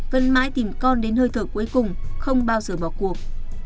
vân mãi tìm con đến hơi thở cuối cùng không bao giờ bỏ cuộc